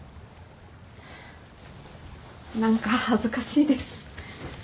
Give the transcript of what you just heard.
何か恥ずかしいです。